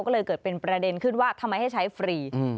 ก็เลยเกิดเป็นประเด็นขึ้นว่าทำไมให้ใช้ฟรี